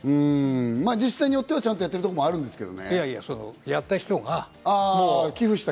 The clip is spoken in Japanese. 自治体によってはちゃんとやってるところもありますけど。